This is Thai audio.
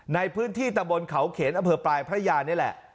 ในพื้นที่ตะบนเขาเขนอำเภอปลายพระยานี่แหละ